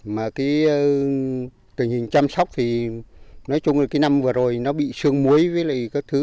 mà cái tình hình chăm sóc thì nói chung là cái năm vừa rồi nó bị sương muối với các thứ